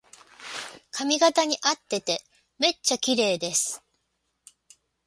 髪型にあっててめっちゃきれいです